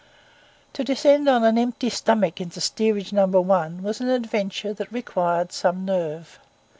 To descend on an empty stomach into Steerage No. 1, was an adventure that required some nerve.